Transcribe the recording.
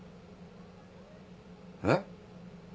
えっ？